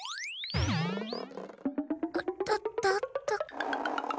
おっとっとっと。